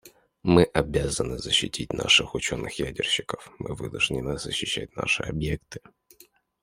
Мы обязаны защитить наших ученых-ядерщиков; мы вынуждены защищать наши объекты.